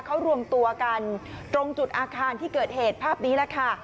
เขารวมตัวกันตรงจุดอาคารที่เกิดเหตุภาพนี้แหละค่ะ